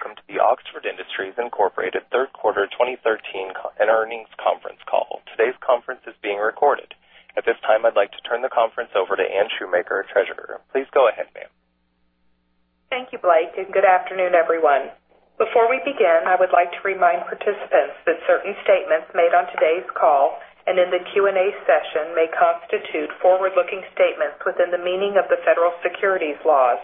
Good day, welcome to the Oxford Industries, Inc. third quarter 2013 earnings conference call. Today's conference is being recorded. At this time, I'd like to turn the conference over to Anne Shoemaker, Treasurer. Please go ahead, ma'am. Thank you, Blake, good afternoon, everyone. Before we begin, I would like to remind participants that certain statements made on today's call and in the Q&A session may constitute forward-looking statements within the meaning of the federal securities laws.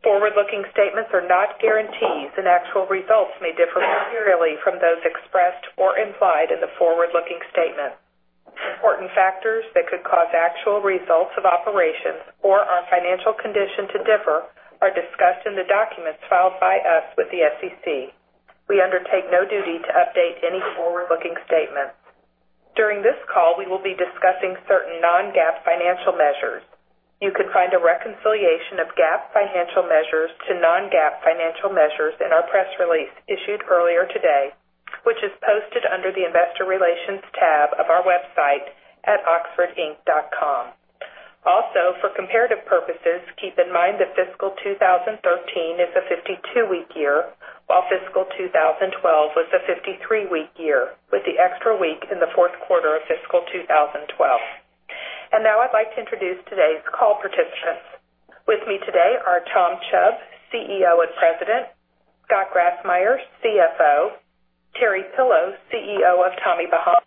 Forward-looking statements are not guarantees, actual results may differ materially from those expressed or implied in the forward-looking statement. Important factors that could cause actual results of operations or our financial condition to differ are discussed in the documents filed by us with the SEC. We undertake no duty to update any forward-looking statements. During this call, we will be discussing certain non-GAAP financial measures. You can find a reconciliation of GAAP financial measures to non-GAAP financial measures in our press release issued earlier today, which is posted under the investor relations tab of our website at oxfordinc.com. Also, for comparative purposes, keep in mind that fiscal 2013 is a 52-week year, while fiscal 2012 was a 53-week year, with the extra week in the fourth quarter of fiscal 2012. Now I'd like to introduce today's call participants. With me today are Tom Chubb, CEO and President, Scott Grassmyer, CFO, Terry Pillow, CEO of Tommy Bahama,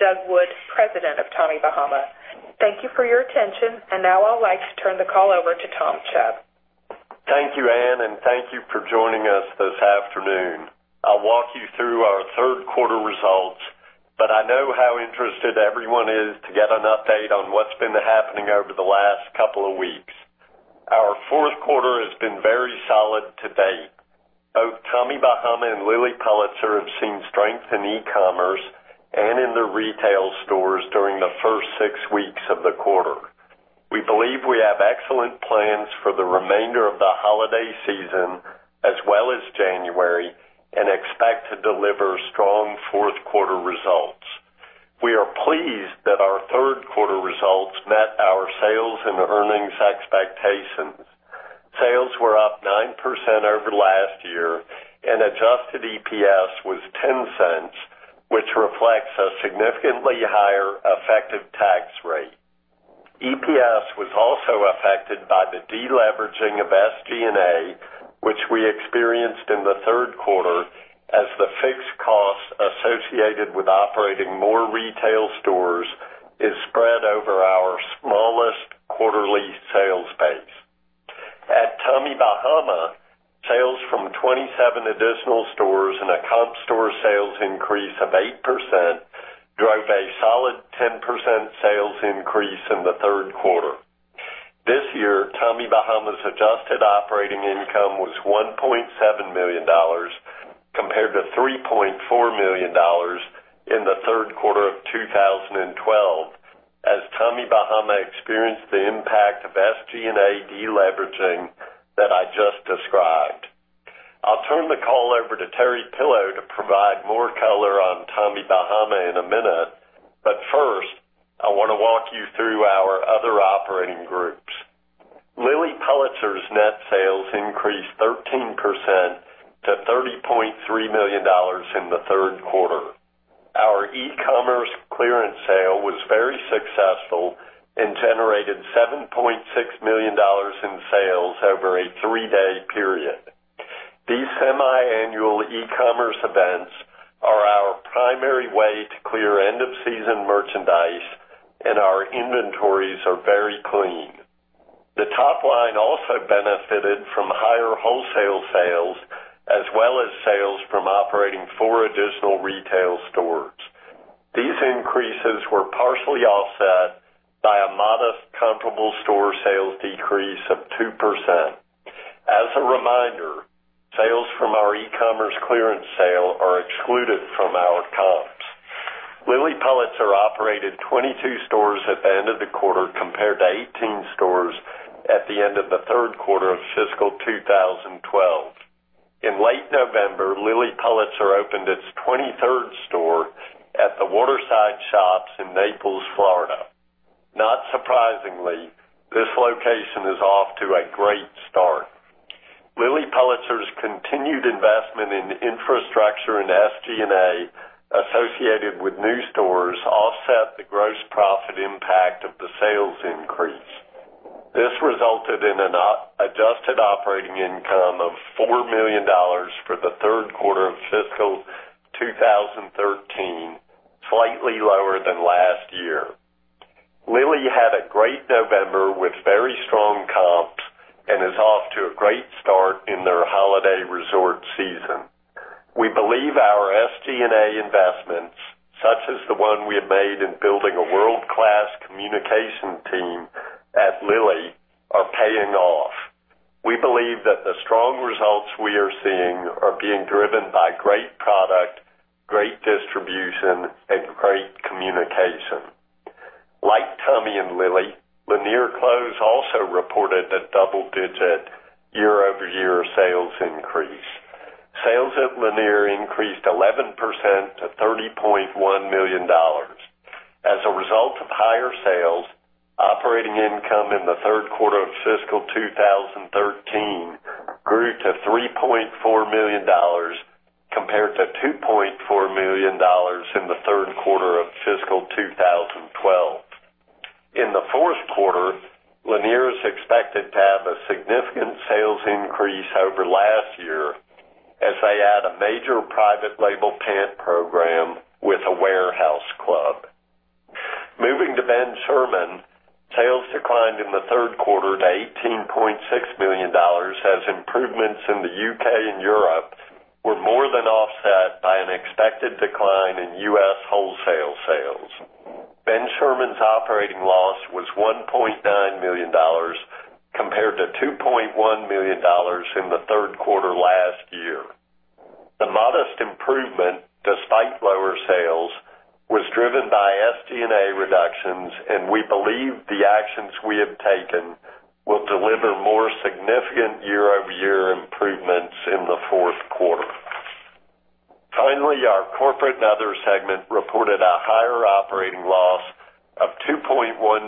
Doug Wood, President of Tommy Bahama. Thank you for your attention, now I'd like to turn the call over to Tom Chubb. Thank you, Anne, thank you for joining us this afternoon. I'll walk you through our third quarter results, I know how interested everyone is to get an update on what's been happening over the last couple of weeks. Our fourth quarter has been very solid to date. Both Tommy Bahama and Lilly Pulitzer have seen strength in e-commerce and in the retail stores during the first six weeks of the quarter. We believe we have excellent plans for the remainder of the holiday season, as well as January, expect to deliver strong fourth quarter results. We are pleased that our third quarter results met our sales and earnings expectations. Sales were up 9% over last year, adjusted EPS was $0.10, which reflects a significantly higher effective tax rate. EPS was also affected by the deleveraging of SG&A, which we experienced in the third quarter as the fixed costs associated with operating more retail stores is spread over our smallest quarterly sales base. At Tommy Bahama, sales from 27 additional stores and a comp store sales increase of 8% drove a solid 10% sales increase in the third quarter. This year, Tommy Bahama's adjusted operating income was $1.7 million, compared to $3.4 million in the third quarter of 2012 as Tommy Bahama experienced the impact of SG&A deleveraging that I just described. I'll turn the call over to Terry Pillow to provide more color on Tommy Bahama in a minute, but first, I want to walk you through our other operating groups. Lilly Pulitzer's net sales increased 13% to $30.3 million in the third quarter. Our e-commerce clearance sale was very successful and generated $7.6 million in sales over a three-day period. These semi-annual e-commerce events are our primary way to clear end-of-season merchandise, and our inventories are very clean. The top line also benefited from higher wholesale sales, as well as sales from operating four additional retail stores. These increases were partially offset by a modest comparable store sales decrease of 2%. As a reminder, sales from our e-commerce clearance sale are excluded from our comps. Lilly Pulitzer operated 22 stores at the end of the quarter, compared to 18 stores at the end of the third quarter of fiscal 2012. In late November, Lilly Pulitzer opened its 23rd store at the Waterside Shops in Naples, Florida. Not surprisingly, this location is off to a great start. Lilly Pulitzer's continued investment in infrastructure and SG&A associated with new stores offset the gross profit impact of the sales increase. This resulted in an adjusted operating income of $4 million for the third quarter of fiscal 2013, slightly lower than last year. Lilly had a great November with very strong comps and is off to a great start in their holiday resort season. We believe our SG&A investments, such as the one we have made in building a world-class communication team at Lilly, are paying off. We believe that the strong results we are seeing are being driven by great product, great distribution, and great communication. Like Tommy and Lilly, Lanier Clothes also reported a double-digit year-over-year sales increase. Sales at Lanier increased 11% to $30.1 million. As a result of higher sales, operating income in the third quarter of fiscal 2013 grew to $3.4 million, compared to $2.4 million in the third quarter of fiscal 2012. In the fourth quarter, Lanier is expected to have a significant sales increase over last year as they add a major private label pant program with a warehouse club. Moving to Ben Sherman, sales declined in the third quarter to $18.6 million, as improvements in the U.K. and Europe were more than offset by an expected decline in U.S. wholesale sales. Ben Sherman's operating loss was $1.9 million, compared to $2.1 million in the third quarter last year. The modest improvement, despite lower sales, was driven by SG&A reductions, and we believe the actions we have taken will deliver more significant year-over-year improvements in the fourth quarter. Finally, our corporate and other segment reported a higher operating loss of $2.1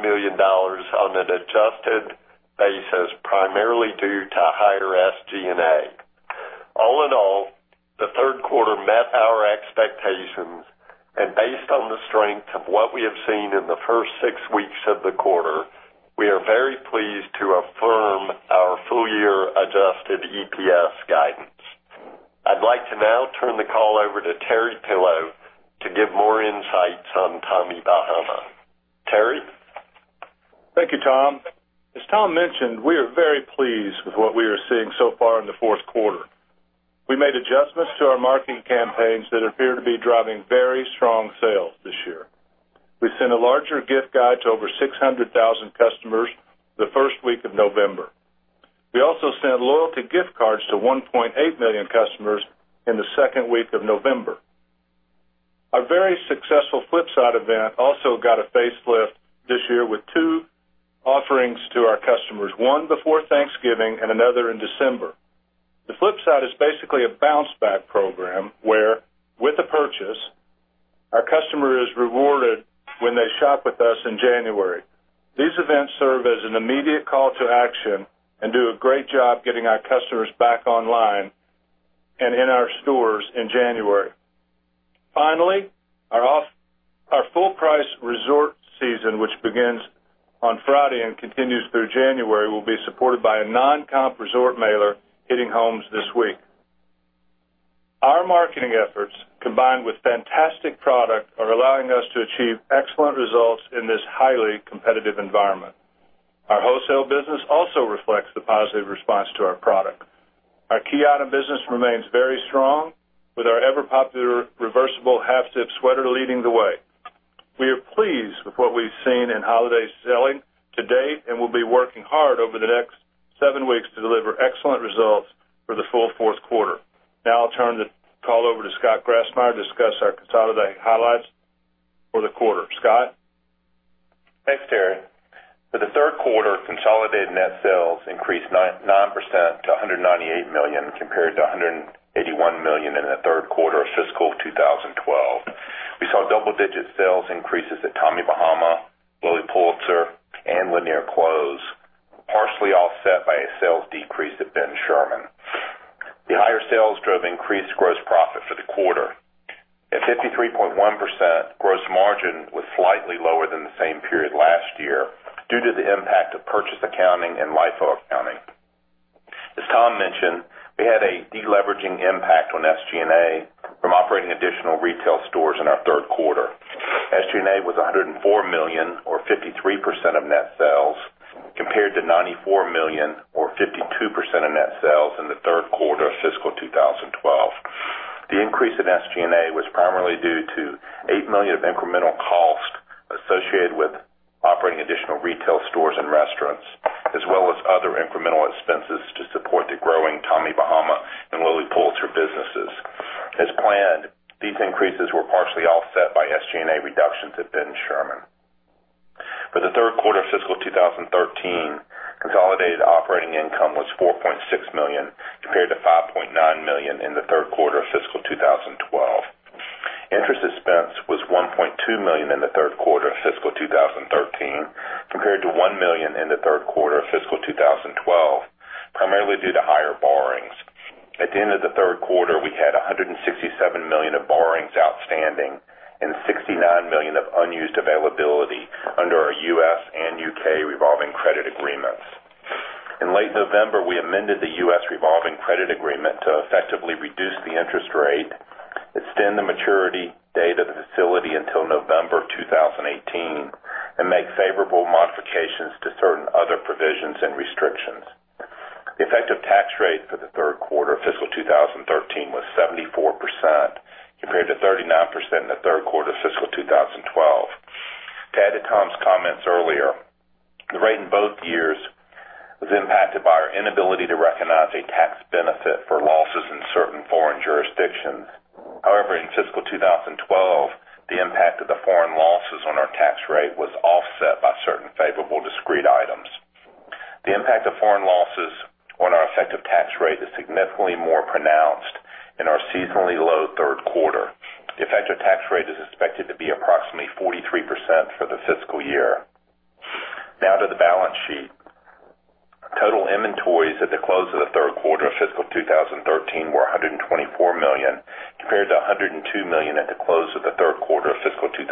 million on an adjusted basis, primarily due to higher SG&A. All in all, the third quarter met our expectations, and based on the strength of what we have seen in the first six weeks of the quarter, we are very pleased to affirm our full year adjusted EPS guidance. I'd like to now turn the call over to Terry Pillow to give more insights on Tommy Bahama. Terry? Thank you, Tom. As Tom mentioned, we are very pleased with what we are seeing so far in the fourth quarter. We made adjustments to our marketing campaigns that appear to be driving very strong sales this year. We sent a larger gift guide to over 600,000 customers the first week of November. We also sent loyalty gift cards to 1.8 million customers in the second week of November. Our very successful Flipside event also got a facelift this year with two offerings to our customers, one before Thanksgiving and another in December. The Flipside is basically a bounce back program where, with a purchase, our customer is rewarded when they shop with us in January. These events serve as an immediate call to action and do a great job getting our customers back online and in our stores in January. Finally, our full price resort season, which begins on Friday and continues through January, will be supported by a non-comp resort mailer hitting homes this week. Our marketing efforts, combined with fantastic product, are allowing us to achieve excellent results in this highly competitive environment. Our wholesale business also reflects the positive response to our product. Our key item business remains very strong, with our ever popular reversible half zip sweater leading the way. We are pleased with what we've seen in holiday selling to date, and we'll be working hard over the next seven weeks to deliver excellent results for the full fourth quarter. I'll turn the call over to Scott Grassmyer to discuss our consolidated highlights for the quarter. Scott? Thanks, Terry. For the third quarter, consolidated net sales increased 9% to $198 million, compared to $181 million in the third quarter of fiscal 2012. We saw double digit sales increases at Tommy Bahama, Lilly Pulitzer, and Lanier Clothes, partially offset by a sales decrease at Ben Sherman. The higher sales drove increased gross profit for the quarter. At 53.1%, gross margin was slightly lower than the same period last year due to the impact of purchase accounting and LIFO accounting. As Tom mentioned, we had a deleveraging impact on SG&A from operating additional retail stores in our third quarter. SG&A was $104 million, or 53% of net sales, compared to $94 million or 52% of net sales in the third quarter of fiscal 2012. The increase in SG&A was primarily due to $8 million of incremental cost associated with operating additional retail stores and restaurants, as well as other incremental expenses to support the growing Tommy Bahama and Lilly Pulitzer businesses. As planned, these increases were partially offset by SG&A reductions at Ben Sherman. For the third quarter of fiscal 2013, consolidated operating income was $4.6 million, compared to $5.9 million in the third quarter of fiscal 2012. Interest expense was $1.2 million in the third quarter of fiscal 2013, compared to $1 million in the third quarter of fiscal 2012, primarily due to higher borrowings. At the end of the third quarter, we had $167 million of borrowings outstanding and $69 million of unused availability under our U.S. and U.K. revolving credit agreements. In late November, we amended the U.S. revolving credit agreement to effectively reduce the interest rate, extend the maturity date of the facility until November of 2018, and make favorable modifications to certain other provisions and restrictions. The effective tax rate for the third quarter of fiscal 2013 was 74%, compared to 39% in the third quarter of fiscal 2012. To add to Tom's comments earlier, the rate in both years was impacted by our inability to recognize a tax benefit for losses in certain foreign jurisdictions. However, in fiscal 2012, the impact of the foreign losses on our tax rate was offset by certain favorable discrete items. The impact of foreign losses on our effective tax rate is significantly more pronounced in our seasonally low third quarter. The effective tax rate is expected to be approximately 43% for the fiscal year. Now to the balance sheet. Total inventories at the close of the third quarter of fiscal 2013 were $124 million, compared to $102 million at the close of the third quarter of fiscal 2012.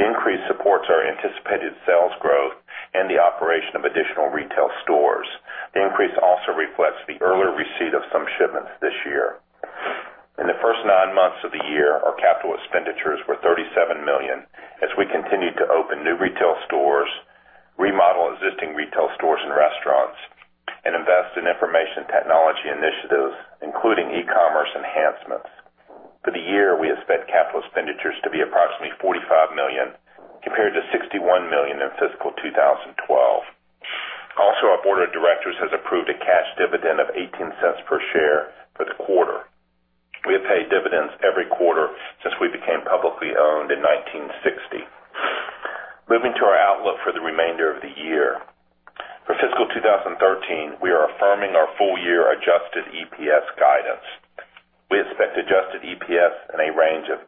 The increase supports our anticipated sales growth and the operation of additional retail stores. The increase also reflects the earlier receipt of some shipments this year. In the first nine months of the year, our capital expenditures were $37 million as we continued to open new retail stores, remodel existing retail stores and restaurants, and invest in information technology initiatives, including e-commerce enhancements. For the year, we expect capital expenditures to be approximately $45 million, compared to $61 million in fiscal 2012. Also, our board of directors has approved a cash dividend of $0.18 per share for the quarter. We have paid dividends every quarter since we became publicly owned in 1960. Moving to our outlook for the remainder of the year. For fiscal 2013, we are affirming our full year adjusted EPS guidance. We expect adjusted EPS in a range of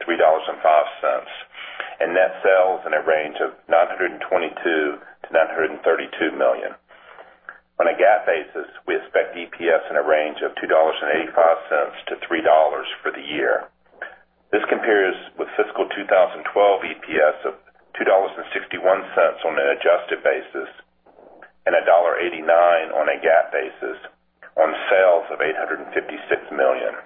$2.90-$3.05, and net sales in a range of $922 million-$932 million. On a GAAP basis, we expect EPS in a range of $2.85-$3 for the year. This compares with fiscal 2012 EPS of $2.61 on an adjusted basis and $1.89 on a GAAP basis, on sales of $856 million.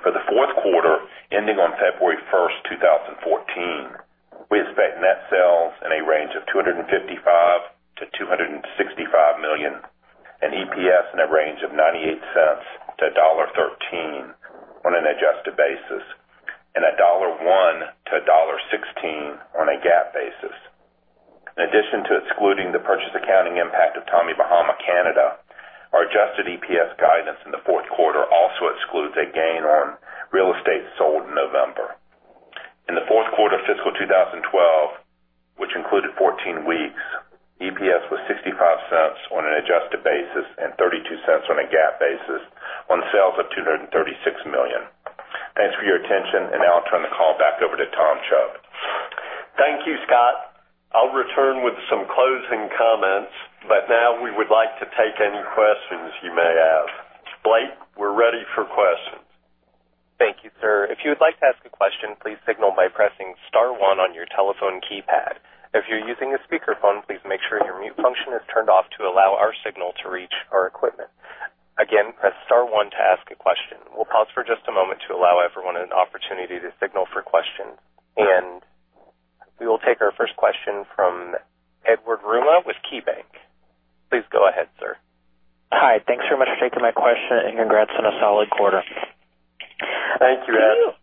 For the fourth quarter ending on February 1st, 2014, we expect net sales in a range of $255 million-$265 million, and EPS in a range of $0.98-$1.13 on an adjusted basis, and $1.01-$1.16 on a GAAP basis. In addition to excluding the purchase accounting impact of Tommy Bahama Canada, our adjusted EPS guidance in the fourth quarter also excludes a gain on real estate sold in November. In the fourth quarter of fiscal 2012, which included 14 weeks, EPS was $0.65 on an adjusted basis and $0.32 on a GAAP basis on sales of $236 million. Now I'll turn the call back over to Tom Chubb. Thank you, Scott. I'll return with some closing comments. Now we would like to take any questions you may have. Blake, we're ready for questions. Thank you, sir. If you would like to ask a question, please signal by pressing *1 on your telephone keypad. If you're using a speakerphone, please make sure your mute function is turned off to allow our signal to reach our equipment. Again, press *1 to ask a question. We'll pause for just a moment to allow everyone an opportunity to signal for questions. We will take our first question from Edward Yruma with KeyBanc. Please go ahead, sir. Hi. Thanks so much for taking my question and congrats on a solid quarter. Thank you, Ed.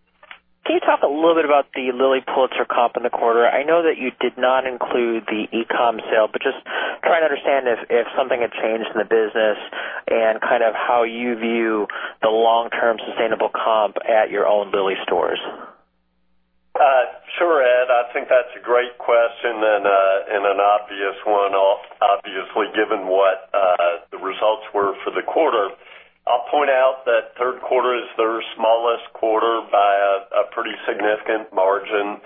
Can you talk a little bit about the Lilly Pulitzer comp in the quarter? I know that you did not include the e-com sale, just trying to understand if something had changed in the business and how you view the long-term sustainable comp at your own Lilly stores. Sure, Ed. I think that's a great question and an obvious one, obviously, given what the results were for the quarter. I'll point out that third quarter is their smallest quarter by a pretty significant margin.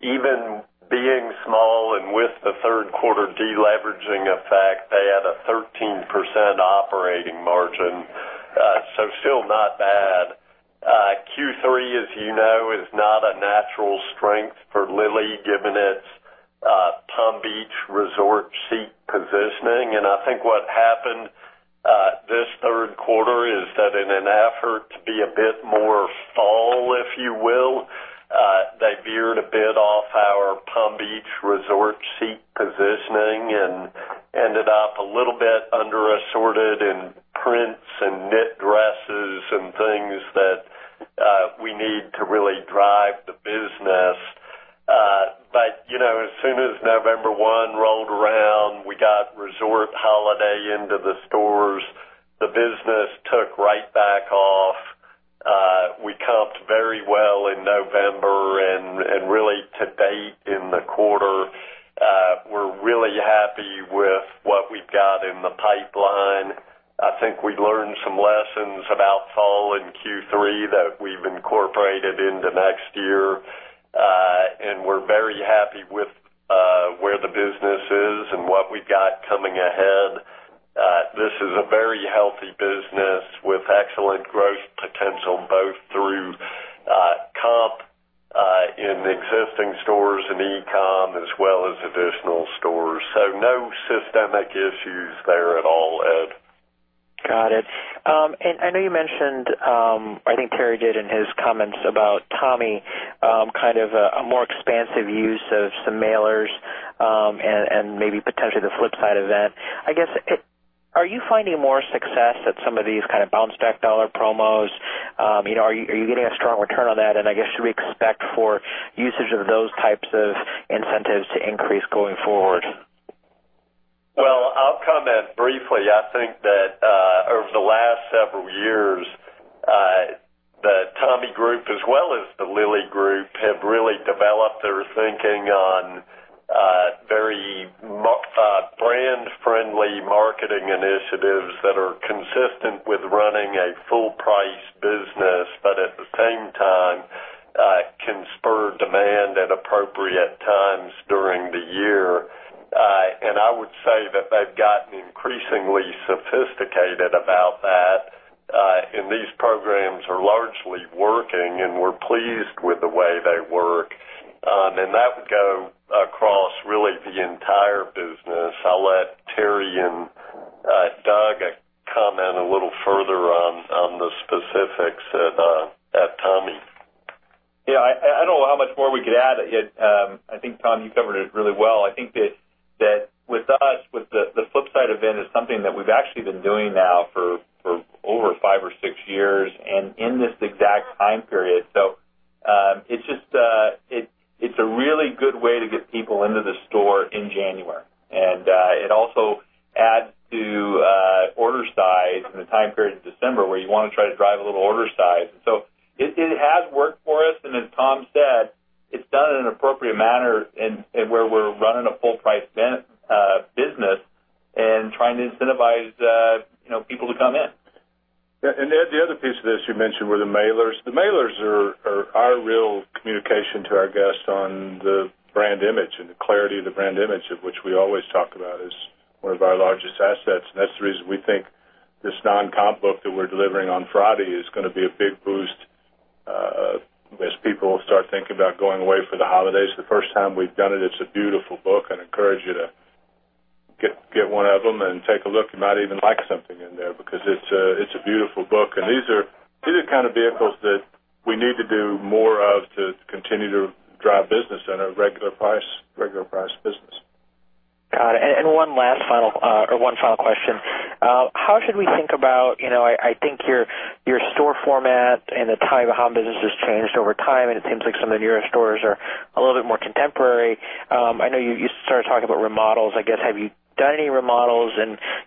Even being small and with the third quarter deleveraging effect, they had a 13% operating margin. Still not bad. Q3, as you know, is not a natural strength for Lilly, given its Palm Beach resort chic positioning. I think what happened this third quarter is that in an effort to be a bit more fall, if you will, they veered a bit off our Palm Beach resort chic positioning and ended up a little bit under assorted in prints and knit dresses and things that we need to really drive the business. As soon as November 1 rolled around, we got resort holiday into the stores. The business took right back off. We comped very well in November and really to date in the quarter. We're really happy with what we've got in the pipeline. I think we learned some lessons about fall in Q3 that we've incorporated into next year. We're very happy with where the business is and what we've got coming ahead. This is a very healthy business with excellent growth potential, both through comp in existing stores and e-com, as well as additional stores. No systemic issues there at all, Ed. Got it. I know you mentioned, I think Terry did in his comments about Tommy, a more expansive use of some mailers and maybe potentially the Flipside of that. I guess, are you finding more success at some of these bounce back dollar promos? Are you getting a strong return on that? I guess, should we expect for usage of those types of incentives to increase going forward? Well, I'll comment briefly. I think that over the last several years Tommy Group as well as the Lilly Group have really developed their thinking on very brand-friendly marketing initiatives that are consistent with running a full price business, but at the same time can spur demand at appropriate times during the year. I would say that they've gotten increasingly sophisticated about that, and these programs are largely working, and we're pleased with the way they work. That would go across really the entire business. I'll let Terry and Doug comment a little further on the specifics at Tommy. Yeah. I don't know how much more we could add. I think, Tom, you covered it really well. I think that with us, with the Flipside event is something that we've actually been doing now for over five or six years and in this exact time period. It's a really good way to get people into the store in January. It also adds to order size in the time period of December where you want to try to drive a little order size. It has worked for us, and as Tom said, it's done in an appropriate manner and where we're running a full price business and trying to incentivize people to come in. Yeah. The other piece of this you mentioned were the mailers. The mailers are our real communication to our guests on the brand image and the clarity of the brand image, of which we always talk about as one of our largest assets. That's the reason we think this non-comp book that we're delivering on Friday is going to be a big boost as people start thinking about going away for the holidays. The first time we've done it. It's a beautiful book. I'd encourage you to get one of them and take a look. You might even like something in there because it's a beautiful book. These are the kind of vehicles that we need to do more of to continue to drive business in a regular price business. Got it. One final question. How should we think about, I think your store format and the type of how business has changed over time. It seems like some of your stores are a little bit more contemporary. I know you started talking about remodels. I guess, have you done any remodels?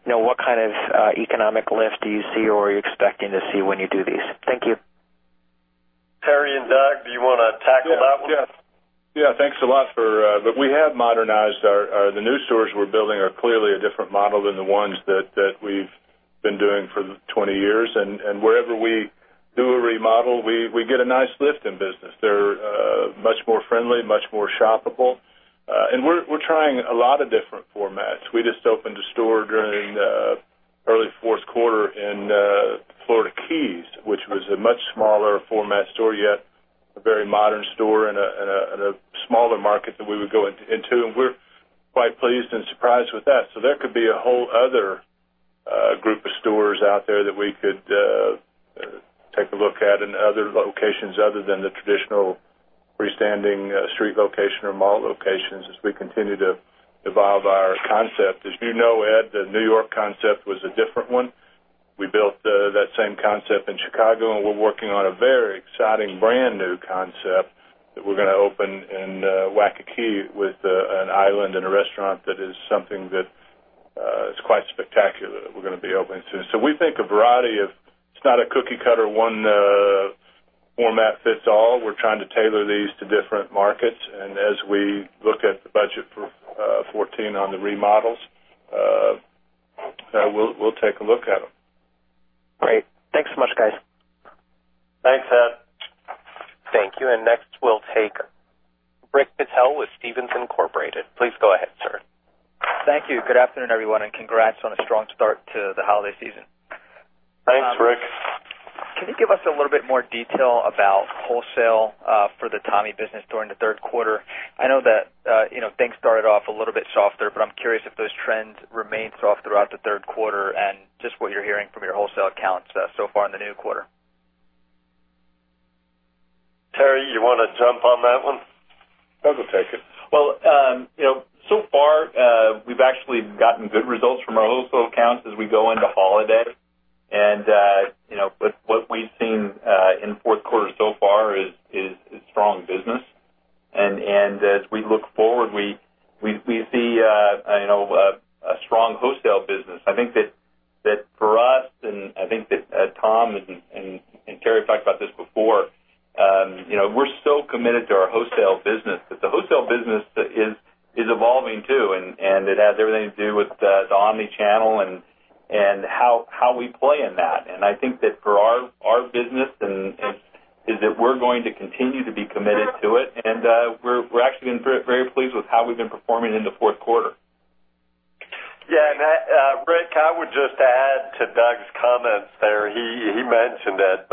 What kind of economic lift do you see or are you expecting to see when you do these? Thank you. Terry and Doug, do you want to tackle that one? Yeah. Thanks a lot. We have modernized. The new stores we're building are clearly a different model than the ones that we've been doing for 20 years. Wherever we do a remodel, we get a nice lift in business. They're much more friendly, much more shoppable. We're trying a lot of different formats. We just opened a store during early fourth quarter in Florida Keys, which was a much smaller format store, yet a very modern store and a smaller market that we would go into, and we're quite pleased and surprised with that. That could be a whole other group of stores out there that we could take a look at in other locations other than the traditional freestanding street location or mall locations as we continue to evolve our concept. As you know, Ed, the New York concept was a different one. We built that same concept in Chicago. We're working on a very exciting brand new concept that we're going to open in Waikiki with an island and a restaurant that is something that is quite spectacular that we're going to be opening soon. We think a variety of it's not a cookie cutter one format fits all. We're trying to tailor these to different markets. As we look at the budget for 2014 on the remodels, we'll take a look at them. Great. Thanks so much, guys. Thanks, Ed. Thank you. Next, we'll take Rick Patel with Stephens Inc.. Please go ahead, sir. Thank you. Good afternoon, everyone, and congrats on a strong start to the holiday season. Thanks, Rick. Can you give us a little bit more detail about wholesale for the Tommy business during the third quarter? I know that things started off a little bit softer, but I'm curious if those trends remain soft throughout the third quarter and just what you're hearing from your wholesale accounts so far in the new quarter. Terry, you want to jump on that one? Doug will go take it. Well, so far, we've actually gotten good results from our wholesale accounts as we go into holiday. What we've seen in fourth quarter so far is strong business. As we look forward, we see a strong wholesale business. I think that for us, and I think that Tom and Terry talked about this before, we're so committed to our wholesale business, but the wholesale business is evolving, too, and it has everything to do with the omni-channel and how we play in that. I think that for our business is that we're going to continue to be committed to it, and we're actually very pleased with how we've been performing in the fourth quarter. Yeah. Rick, I would just add to Doug's comments there. He mentioned it,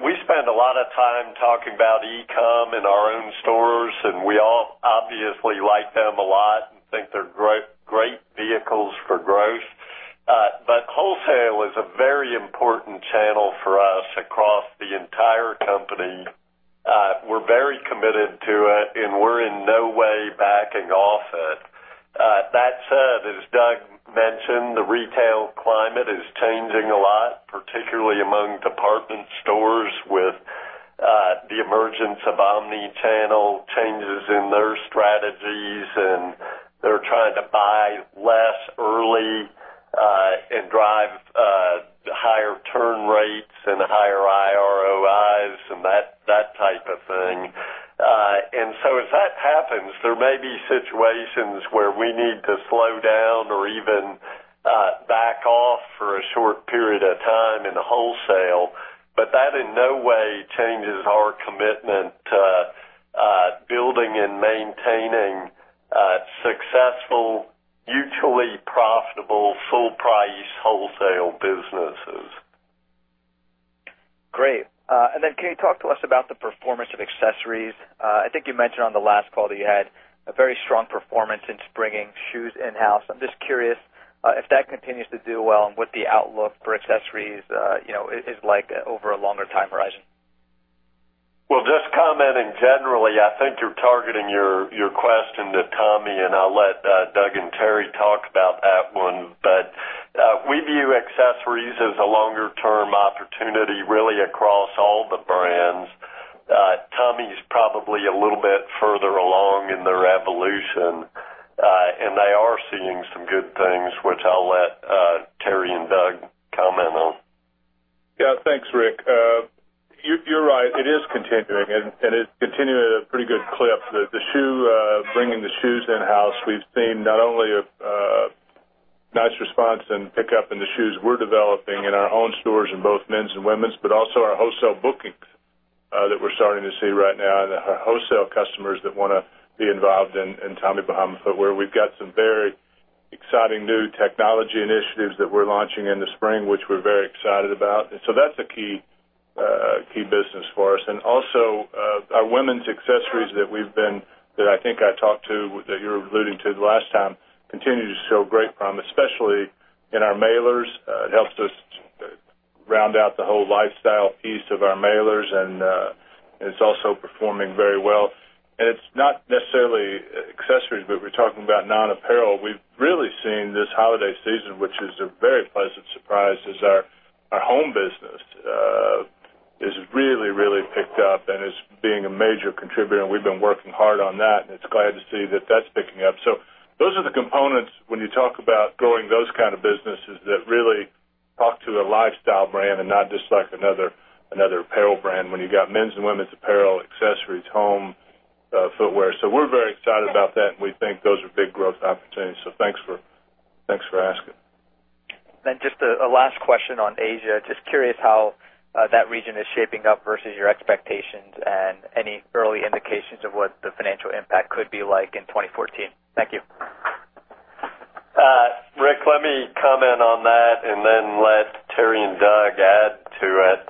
we spend a lot of time talking about e-com in our own stores, and we all obviously like them a lot and think they're great vehicles for growth. Wholesale is a very important channel for us across the entire company. We're very committed to it, and we're in no way backing off it. That said, as Doug mentioned, the retail climate is changing a lot, particularly among department stores with the emergence of omni-channel changes in their strategies, they're trying to buy less drive higher turn rates and higher ROIs and that type of thing. As that happens, there may be situations where we need to slow down or even back off for a short period of time in the wholesale, that in no way changes our commitment to building and maintaining successful, mutually profitable, full-price wholesale businesses. Great. Can you talk to us about the performance of accessories? I think you mentioned on the last call that you had a very strong performance in bringing shoes in-house. I'm just curious if that continues to do well and what the outlook for accessories is like over a longer time horizon. Well, just commenting generally, I think you're targeting your question to Tommy, I'll let Doug and Terry talk about that one. We view accessories as a longer-term opportunity, really across all the brands. Tommy's probably a little bit further along in their evolution. They are seeing some good things, which I'll let Terry and Doug comment on. Thanks, Rick. You're right. It is continuing, and it's continuing at a pretty good clip. Bringing the shoes in-house, we've seen not only a nice response and pickup in the shoes we're developing in our own stores in both men's and women's, but also our wholesale bookings that we're starting to see right now and our wholesale customers that want to be involved in Tommy Bahama footwear. We've got some very exciting new technology initiatives that we're launching in the spring, which we're very excited about. That's a key business for us. Our women's accessories that I think I talked to, that you were alluding to the last time, continue to show great promise, especially in our mailers. It helps us round out the whole lifestyle piece of our mailers, and it's also performing very well. It's not necessarily accessories, but we're talking about non-apparel. We've really seen this holiday season, which is a very pleasant surprise, is our home business. It's really picked up and is being a major contributor, and we've been working hard on that, and it's glad to see that that's picking up. Those are the components when you talk about growing those kind of businesses that really talk to a lifestyle brand and not just like another apparel brand when you've got men's and women's apparel, accessories, home, footwear. We're very excited about that, and we think those are big growth opportunities. Thanks for asking. Just a last question on Asia. Just curious how that region is shaping up versus your expectations and any early indications of what the financial impact could be like in 2014. Thank you. Rick, let me comment on that and then let Terry and Doug add to it.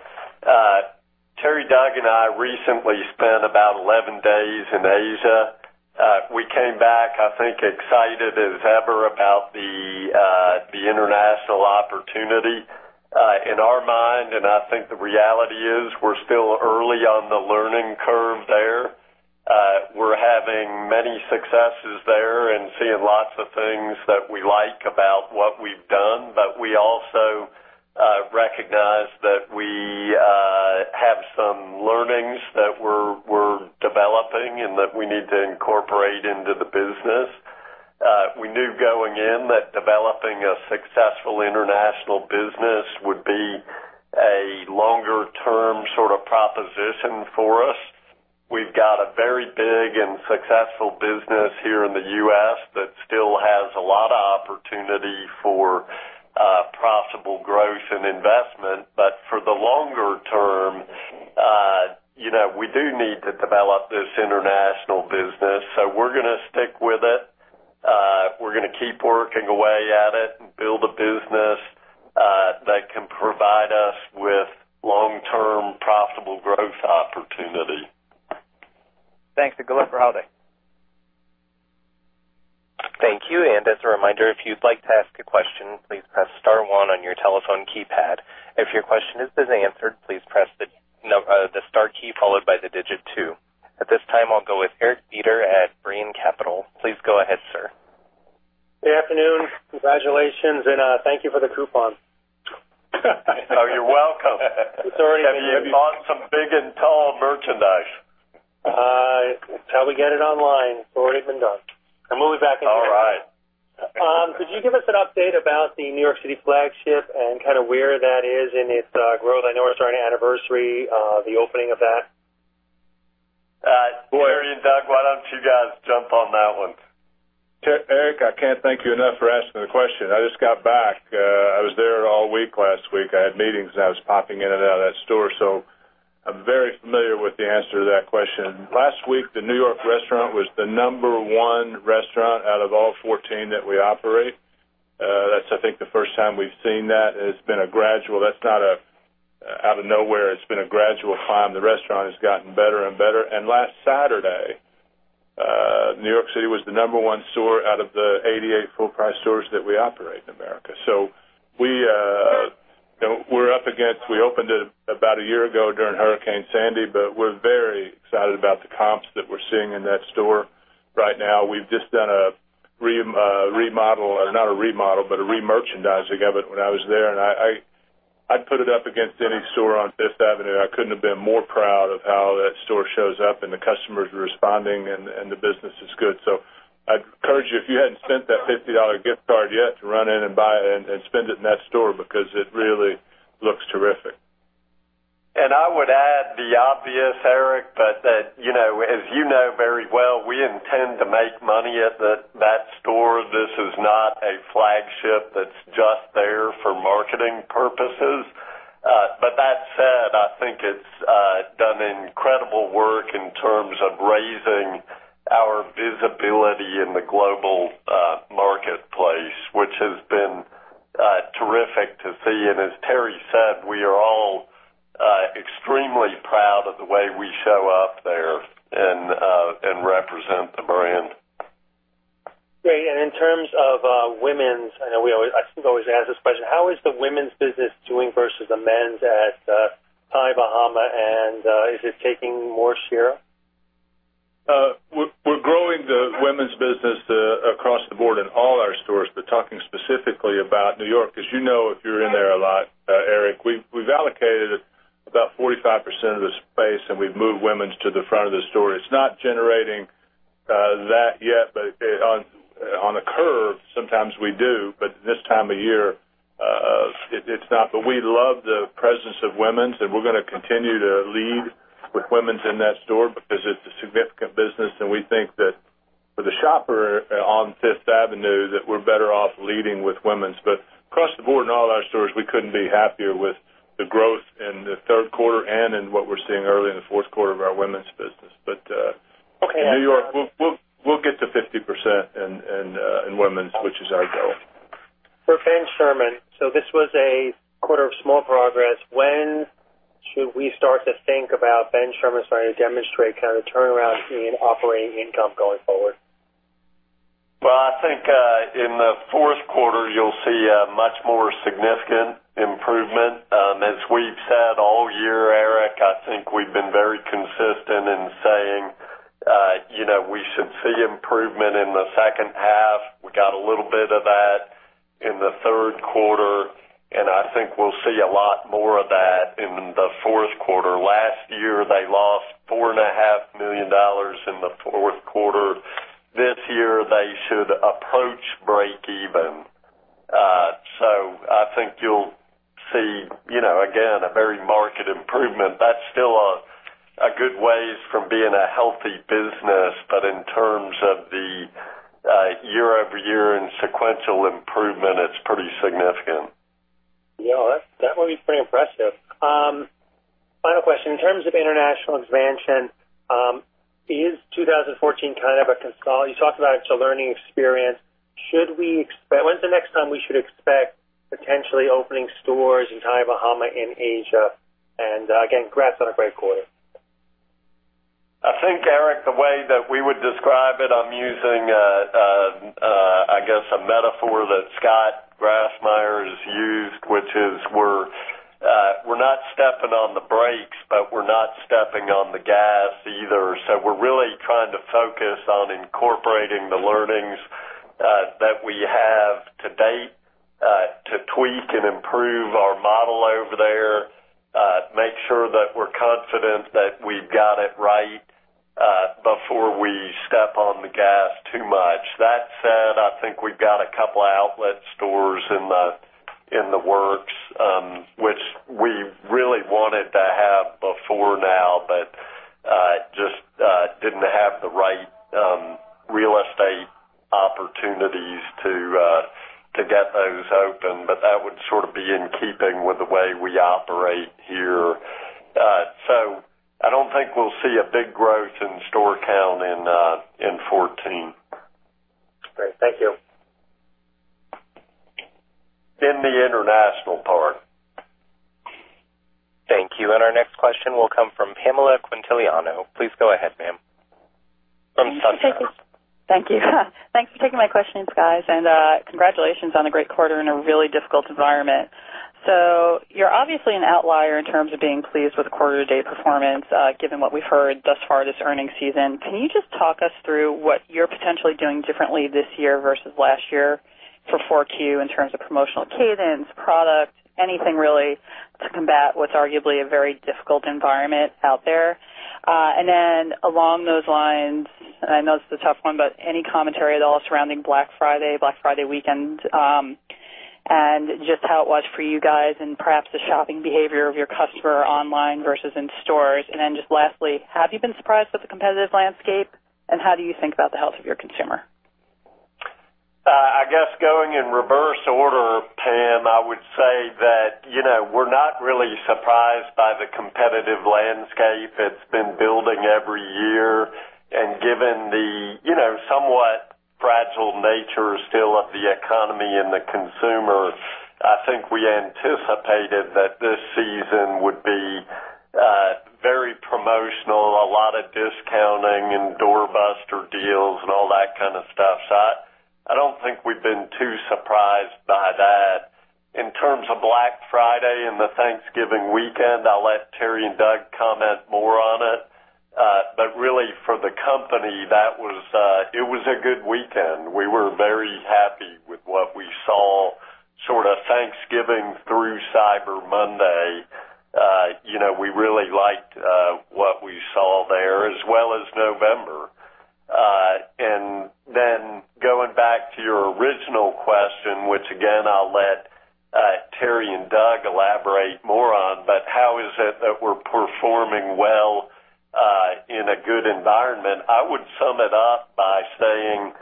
Terry, Doug, and I recently spent about 11 days in Asia. We came back, I think, excited as ever about the international opportunity. In our mind, and I think the reality is, we're still early on the learning curve there. We're having many successes there and seeing lots of things that we like about what we've done. We also recognize that we have some learnings that we're developing and that we need to incorporate into the business. We knew going in that developing a successful international business would be a longer-term sort of proposition for us. We've got a very big and successful business here in the U.S. that still has a lot of opportunity for profitable growth and investment. For the longer term, we do need to develop this international business. We're going to stick with it. We're going to keep working away at it and build a business that can provide us with long-term profitable growth opportunity. Thanks, good luck for holiday. Thank you. As a reminder, if you'd like to ask a question, please press star one on your telephone keypad. If your question has been answered, please press the star key followed by the digit 2. At this time, I'll go with Eric Beder at Brean Capital. Please go ahead, sir. Good afternoon. Congratulations, thank you for the coupon. Oh, you're welcome. It's already- Have you bought some big and tall merchandise? Until we get it online, it's already been done. We'll be back. All right. Could you give us an update about the New York City flagship and kind of where that is in its growth? I know it's our anniversary, the opening of that. Terry and Doug, why don't you guys jump on that one? Eric, I can't thank you enough for asking the question. I just got back. I was there all week last week. I had meetings, and I was popping in and out of that store. I'm very familiar with the answer to that question. Last week, the New York restaurant was the number 1 restaurant out of all 14 that we operate. That's I think the first time we've seen that. That's not out of nowhere. It's been a gradual climb. The restaurant has gotten better and better. Last Saturday, New York City was the number 1 store out of the 88 full-price stores that we operate in America. We opened it about a year ago during Hurricane Sandy. We're very excited about the comps that we're seeing in that store right now. We've just done a remodel, or not a remodel, but a remerchandising of it when I was there. I'd put it up against any store on Fifth Avenue. I couldn't have been more proud of how that store shows up, and the customers are responding, and the business is good. I'd encourage you, if you hadn't sent that $50 gift card yet, to run in and buy and spend it in that store because it really looks terrific. I would add the obvious, Eric, as you know very well, we intend to make money at that store. This is not a flagship that's just there for marketing purposes. That said, I think it's done incredible work in terms of raising our visibility in the global marketplace, which has been terrific to see. As Terry said, we are all extremely proud of the way we show up there and represent the brand. Great. In terms of women's, I know I always ask this question, how is the women's business doing versus the men's at Tommy Bahama, and is it taking more share? We're growing the women's business across the board in all our stores, talking specifically about New York, because you know if you're in there a lot, Eric, we've allocated about 45% of the space, and we've moved women's to the front of the store. It's not generating that yet, on a curve, sometimes we do. This time of year, it's not. We love the presence of women's, and we're going to continue to lead with women's in that store because it's a significant business, and we think that for the shopper on Fifth Avenue, that we're better off leading with women's. Across the board, in all our stores, we couldn't be happier with the growth in the third quarter and in what we're seeing early in the fourth quarter of our women's business. Okay. New York, we'll get to 50% in women's, which is our goal. For Ben Sherman, this was a quarter of small progress. When should we start to think about Ben Sherman starting to demonstrate the turnaround in operating income going forward? I think in the fourth quarter, you'll see a much more significant improvement. As we've said all year, Eric, I think we've been very consistent in saying we should see improvement in the second half. We got a little bit of that in the third quarter, and I think we'll see a lot more of that in the fourth quarter. Last year, they lost $4.5 million in the fourth quarter. This year, they should approach breakeven. I think you'll see, again, a very marked improvement. That's still a good way from being a healthy business. In terms of the year-over-year and sequential improvement, it's pretty significant. Yeah, that would be pretty impressive. Final question, in terms of international expansion, is 2014 a learning experience. When's the next time we should expect potentially opening stores in Tommy Bahama in Asia? Again, congrats on a great quarter. I think, Eric, the way that we would describe it, I'm using, I guess, a metaphor that Scott Grassmyer has used, which is we're not stepping on the brakes, but we're not stepping on the gas either. We're really trying to focus on incorporating the learnings that we have to date to tweak and improve our model over there, make sure that we're confident that we've got it right before we step on the gas too much. That said, I think we've got a couple of outlet stores in the works, which we really wanted to have before now, but just didn't have the right real estate opportunities to get those open. That would be in keeping with the way we operate here. I don't think we'll see a big growth in store count in 2014. Great. Thank you. In the international part. Thank you. Our next question will come from Pamela Quintiliano. Please go ahead, ma'am. From SunTrust. Thank you. Thanks for taking my questions, guys, and congratulations on a great quarter in a really difficult environment. You're obviously an outlier in terms of being pleased with quarter to date performance, given what we've heard thus far this earnings season. Can you just talk us through what you're potentially doing differently this year versus last year for 4Q in terms of promotional cadence, product, anything really to combat what's arguably a very difficult environment out there. Along those lines, I know this is a tough one, but any commentary at all surrounding Black Friday, Black Friday weekend, and just how it was for you guys and perhaps the shopping behavior of your customer online versus in stores. Just lastly, have you been surprised with the competitive landscape, and how do you think about the health of your consumer? I guess going in reverse order, Pam, I would say that we're not really surprised by the competitive landscape. It's been building every year, and given the somewhat fragile nature still of the economy and the consumer, I think we anticipated that this season would be very promotional, a lot of discounting and doorbuster deals, and all that kind of stuff. I don't think we've been too surprised by that. In terms of Black Friday and the Thanksgiving weekend, I'll let Terry and Doug comment more on it. Really for the company, it was a good weekend. We were very happy with what we saw, sort of Thanksgiving through Cyber Monday. We really liked what we saw there, as well as November. Going back to your original question, which again, I'll let Terry and Doug elaborate more on, but how is it that we're performing well in a good environment? I would sum it up by saying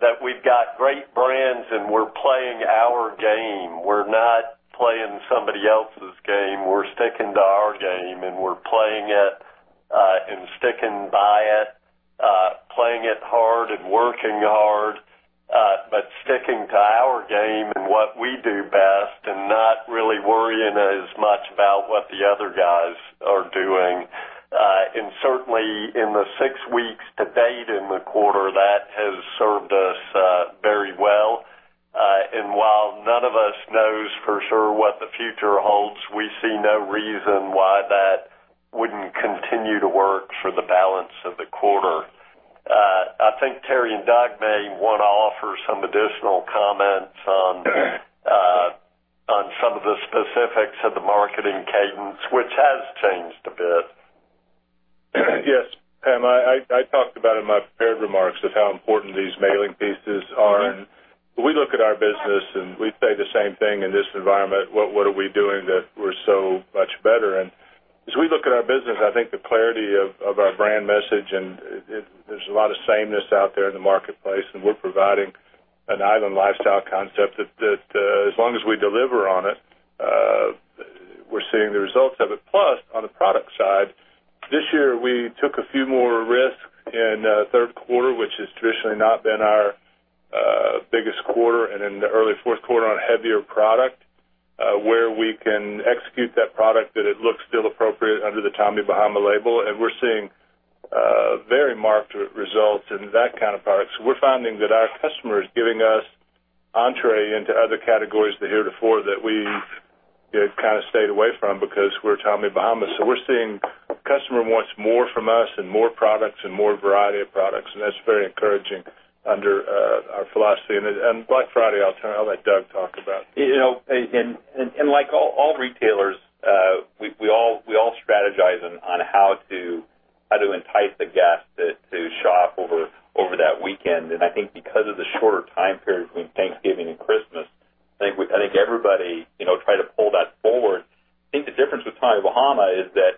that we've got great brands and we're playing our game. We're not playing somebody else's game. We're sticking to our game and we're playing it and sticking by it, playing it hard and working hard, but sticking to our game and what we do best and not really worrying as much about what the other guys are doing. Certainly in the six weeks to date in the quarter, that has served us very well. While none of us knows for sure what the future holds, we see no reason why that wouldn't continue to work for the balance of the quarter. I think Terry and Doug may want to offer some additional comments on some of the specifics of the marketing cadence, which has changed a bit. Yes. Pam, I talked about in my prepared remarks of how important these mailing pieces are. We look at our business and we say the same thing in this environment, what are we doing that we're so much better? As we look at our business, I think the clarity of our brand message, and there's a lot of sameness out there in the marketplace, and we're providing an island lifestyle concept that as long as we deliver on it, we're seeing the results of it. Plus, on the product side, this year, we took a few more risks in third quarter, which has traditionally not been our biggest quarter, and in the early fourth quarter on heavier product, where we can execute that product that it looks still appropriate under the Tommy Bahama label. We're seeing very marked results in that kind of product. We're finding that our customer is giving us entree into other categories that heretofore that we've kind of stayed away from because we're Tommy Bahama. We're seeing customer wants more from us and more products and more variety of products, and that's very encouraging under our philosophy. Black Friday, I'll let Doug talk about. Like all retailers, we all strategize on how to entice the guest to shop over that weekend. I think because of the shorter time period between Thanksgiving and Christmas, I think everybody tried to pull that forward. I think the difference with Tommy Bahama is that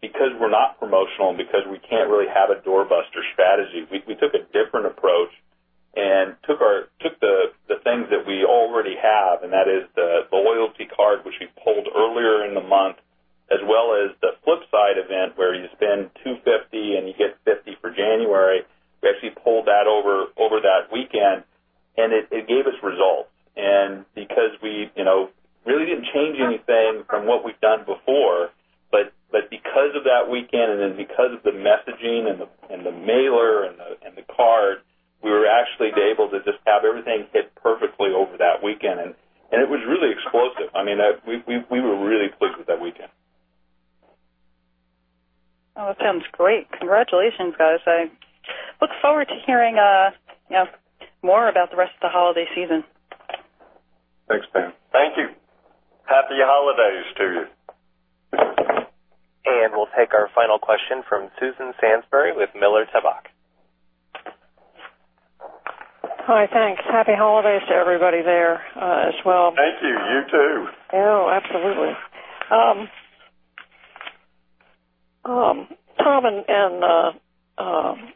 because we're not promotional and because we can't really have a doorbuster strategy, we took a different approach and took the things that we already have, and that is the loyalty card, which we pulled earlier in the month, as well as the Flipside event where you spend $250 and you get $50 for January. We actually pulled that over that weekend, it gave us results. Because we really didn't change anything from what we've done before, but because of that weekend and then because of the messaging and the mailer and the card, we were actually able to just have everything hit perfectly over that weekend. It was really explosive. We were really pleased with that weekend. Oh, that sounds great. Congratulations, guys. I look forward to hearing more about the rest of the holiday season. Thanks, Pam. Thank you. Happy holidays to you. We'll take our final question from Susan Sansbury with Miller Tabak. Hi, thanks. Happy holidays to everybody there as well. Thank you. You too. Oh, absolutely. Tom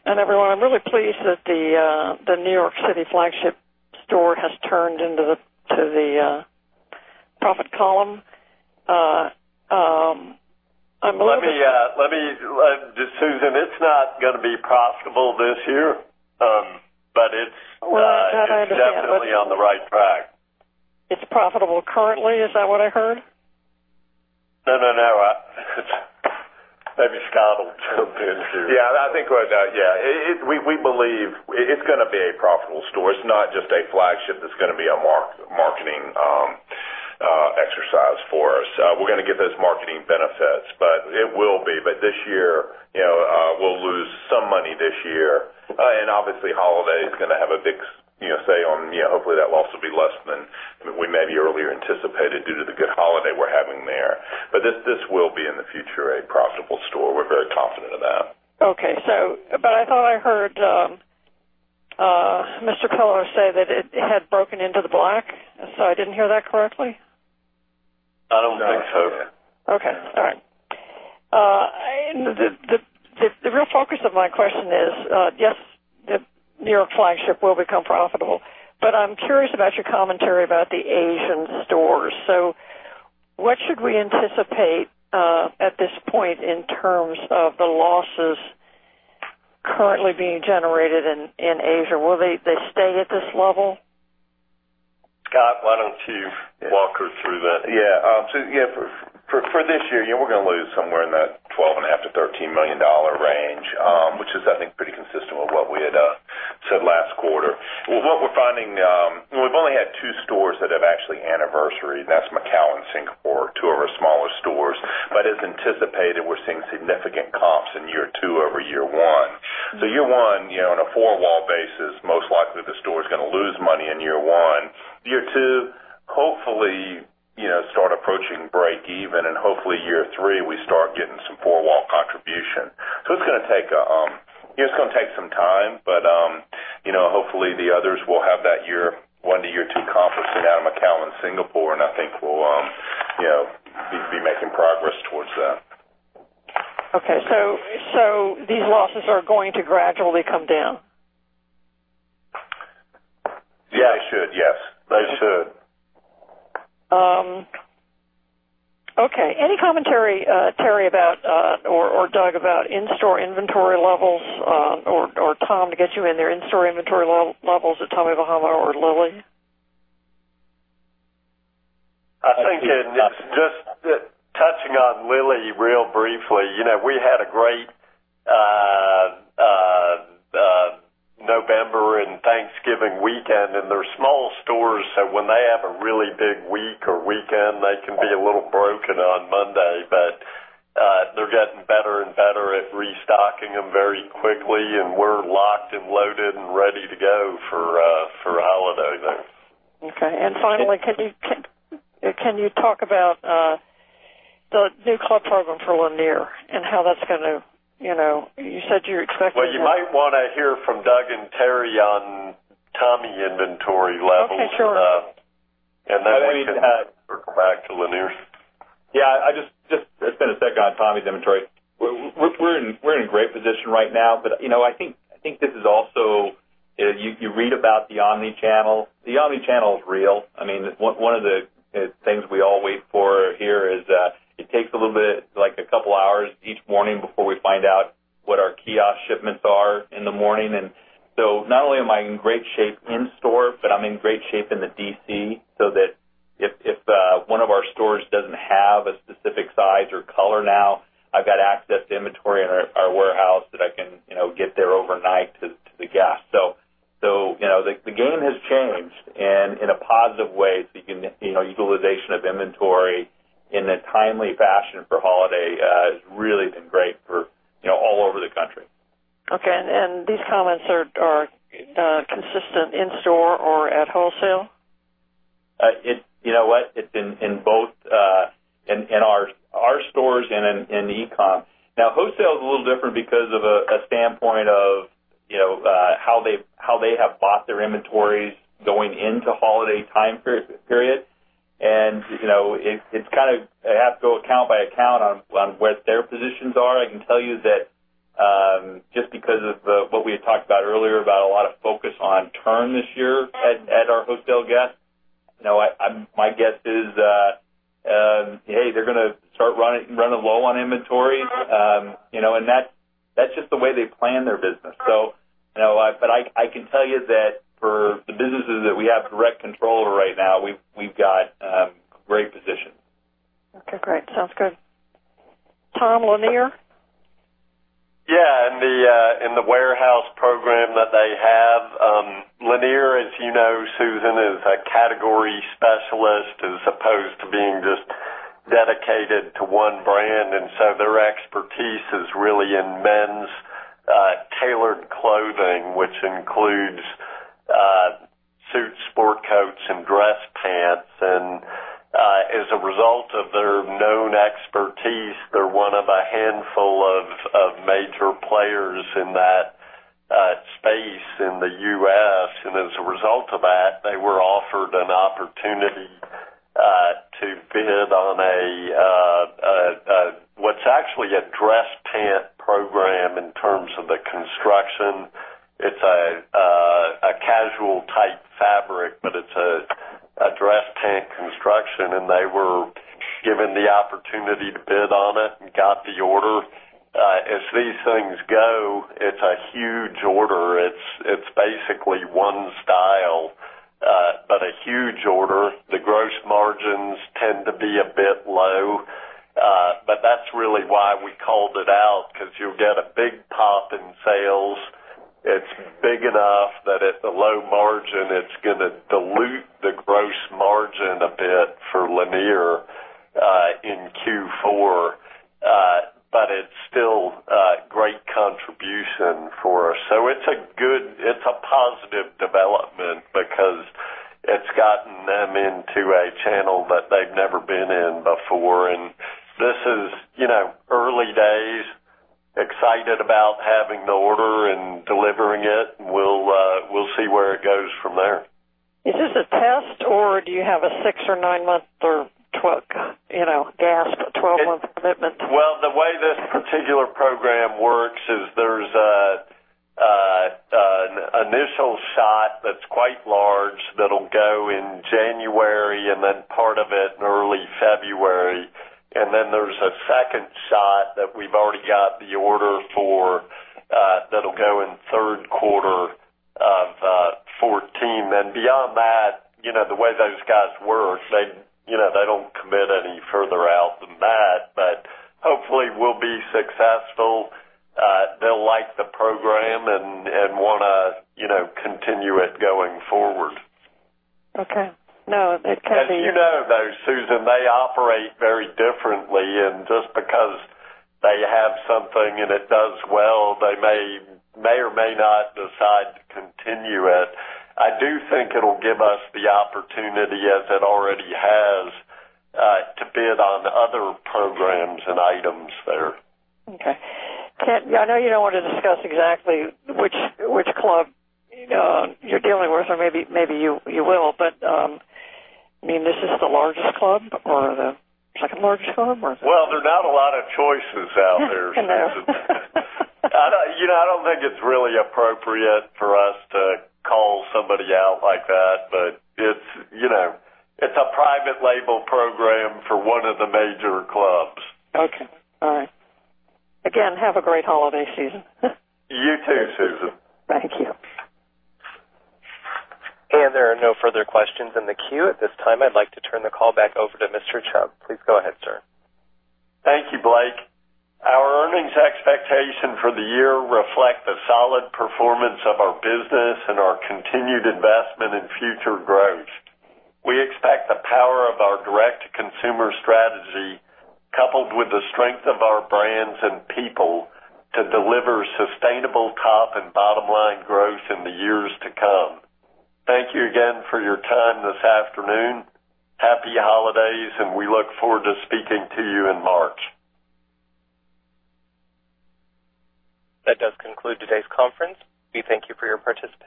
and everyone, I'm really pleased that the New York City flagship store has turned into the profit column. Susan, it's not going to be profitable this year, but it's- Well, that I understand but- definitely on the right track. It's profitable currently, is that what I heard? No, maybe Scott will jump in here. Yeah. We believe it's going to be a profitable store. It's not just a flagship that's going to be a marketing exercise for us. We're going to get those marketing benefits, but it will be. This year, we'll lose some money this year. Obviously holiday is going to have a big say on, hopefully that loss will be less than we maybe earlier anticipated due to the good holiday we're having there. This will be in the future a profitable store. We're very confident of that. Okay. I thought I heard Mr. Kohler say that it had broken into the black. I didn't hear that correctly? I don't think so. No. Okay. All right. The real focus of my question is yes, the New York flagship will become profitable, but I'm curious about your commentary about the Asian stores. What should we anticipate at this point in terms of the losses currently being generated in Asia? Will they stay at this level? Scott, why don't you walk her through that? Yeah. For this year, we're going to lose somewhere in that $12.5 million-$13 million range, which is I think pretty consistent with what we had said last quarter. What we're finding, we've only had stores that have actually anniversaried. That's Macau, Singapore, two of our smaller stores. As anticipated, we're seeing significant comps in year two over year one. Year one, on a four-wall basis, most likely the store's going to lose money in year one. Year two, hopefully, start approaching break even, and hopefully year three, we start getting some four-wall contribution. It's going to take some time, but hopefully the others will have that year one to year two comp of Macau, Singapore, and I think we'll be making progress towards that. Okay. These losses are going to gradually come down. Yeah. They should, yes. They should. Okay. Any commentary, Terry, about, or Doug, about in-store inventory levels, or Tom, to get you in there, in-store inventory levels at Tommy Bahama or Lilly? I think in just touching on Lilly real briefly, we had a great November and Thanksgiving weekend, and they're small stores, so when they have a really big week or weekend, they can be a little broken on Monday. They're getting better and better at restocking them very quickly, and we're locked and loaded and ready to go for holiday there. Okay. Finally, can you talk about the new club program for Lanier? You said you're expecting a- Well, you might want to hear from Doug and Terry on Tommy inventory levels. Okay, sure. We can circle back to Lanier. Yeah, I just spend a second on Tommy's inventory. We're in great position right now, but I think this is also, you read about the omni-channel. The omni-channel is real. One of the things we all wait for here is, it takes a little bit, like a couple of hours each morning before we find out what our kiosk shipments are in the morning. Not only am I in great shape in store, but I'm in great shape in the DC, so that if one of our stores doesn't have a specific size or color now, I've got access to inventory in our warehouse that I can get there overnight to the guest. The game has changed and in a positive way, speaking utilization of inventory in a timely fashion for holiday has really been great for all over the country. Okay. These comments are consistent in store or at wholesale? You know what? It's in both, in our stores and in e-com. Wholesale is a little different because of a standpoint of how they have bought their inventories going into holiday time period. It's kind of, I have to go account by account on what their positions are. I can tell you that, just because of what we had talked about earlier about a lot of focus on turn this year at our wholesale guest. My guess is, hey, they're gonna start running low on inventory. I can tell you that for the businesses that we have direct control over right now, we've got great position. Okay, great. Sounds good. Tom Lanier. Yeah, in the warehouse program that they have, Lanier, as you know, Susan, is a category specialist as opposed to being just dedicated to one brand, so their expertise is really in men's tailored clothing, which includes suits, sport coats, and dress pants. As a result of their known expertise, they're one of a handful of major players in that space in the U.S., and as a result of that, they were offered an opportunity to bid on a what's actually a dress pant program in terms of the construction. It's a casual type fabric, but it's a dress pant construction, and they were given the opportunity to bid on it and got the order. As these things go, it's a huge order. It's basically one style, but a huge order. The gross margins tend to be a bit low. That's really why we called it out because you'll get a big pop in sales. It's big enough that at the low margin, it's gonna dilute the gross margin a bit for Lanier, in Q4. It's still a great contribution for us. It's a positive development because it's gotten them into a channel that they've never been in before, and this is early days, excited about having the order and delivering it, and we'll see where it goes from there. Is this a test, or do you have a six or nine month or 12 commitment? Well, the way this particular program works is there's an initial shot that's quite large that'll go in January and then part of it in early February. Then there's a second shot that we've already got the order for that'll go in third quarter of 2014. Beyond that, the way those guys work, they don't commit any further out than that, but hopefully we'll be successful. They'll like the program and want to continue it going forward. Okay. No, because As you know, Susan, they operate very differently, just because they have something and it does well, they may or may not decide to continue it. I do think it'll give us the opportunity as it already has, to bid on other programs and items there. Okay. I know you don't want to discuss exactly which club you're dealing with, or maybe you will, I mean, this is the largest club or the second largest club, or? Well, there are not a lot of choices out there, Susan. I know. I don't think it's really appropriate for us to call somebody out like that, but it's a private label program for one of the major clubs. Okay. All right. Again, have a great holiday season. You too, Susan. Thank you. There are no further questions in the queue at this time. I'd like to turn the call back over to Mr. Chubb. Please go ahead, sir. Thank you, Blake. Our earnings expectation for the year reflect the solid performance of our business and our continued investment in future growth. We expect the power of our direct-to-consumer strategy, coupled with the strength of our brands and people, to deliver sustainable top and bottom line growth in the years to come. Thank you again for your time this afternoon. Happy holidays, and we look forward to speaking to you in March. That does conclude today's conference. We thank you for your participation.